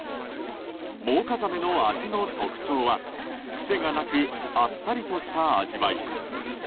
モウカザメの味の特徴は癖がなくあっさりとした味わい。